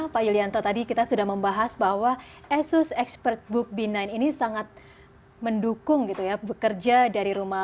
pak yulianto tadi kita sudah membahas bahwa asus expert book b sembilan ini sangat mendukung gitu ya bekerja dari rumah